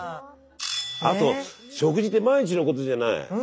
あと食事って毎日のことじゃない。